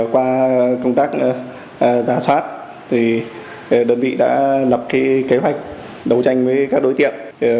qua công tác giả soát đơn vị đã lập kế hoạch đấu tranh với các đối tượng